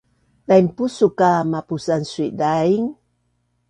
Dainpusuk a mapusan sui-daing